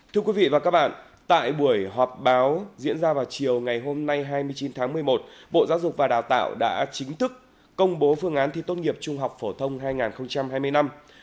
thưa quý vị và các bạn tại buổi họp báo diễn ra vào chiều ngày hôm nay hai mươi chín tháng một mươi một bộ giáo dục và đào tạo đã chính thức công bố phương án thi tốt nghiệp trung học phổ thông hai nghìn hai mươi năm